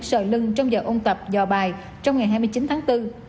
sợ lưng trong giờ ôn tập giò bài trong ngày hai mươi chín tháng bốn